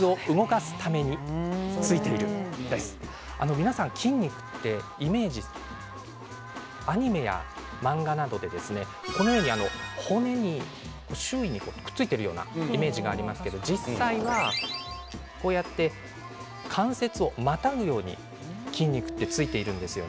皆さん筋肉のイメージはアニメや漫画などで骨の周囲にくっついているようなイメージがありますが実際は関節をまたぐように筋肉がついているんです。